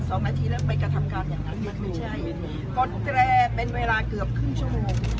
สองนาทีแล้วไปกระทำการอย่างนั้นเนี่ยไม่ใช่กดแตรเป็นเวลาเกือบครึ่งชั่วโมง